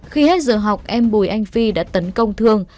khi hết giờ học em bùi anh phi đã tấn công thương